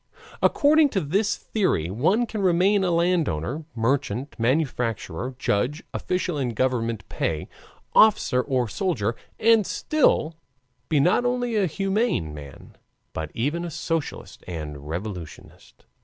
According to this theory one can remain a landowner, merchant, manufacturer, judge, official in government pay, officer or soldier, and still be not only a humane man, but even a socialist and revolutionist.